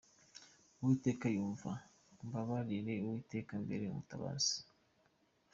Uwiteka nyumva umbabarire, Uwiteka mbera umutabazi.”